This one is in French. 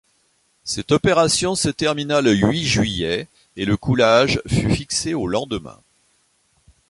Cette opération se termina le huit juillet, et le coulage fut fixé au lendemain.